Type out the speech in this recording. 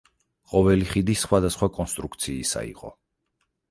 ყოველი ხიდი სხვავასხვა კონსტრუქციისა იყო.